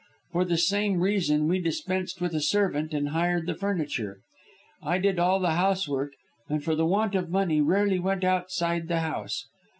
For the same reason we dispensed with a servant and hired the furniture. I did all the housework, and for want of money rarely went outside the house.